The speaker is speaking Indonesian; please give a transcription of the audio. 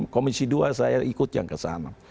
komisi dua saya ikut yang ke sana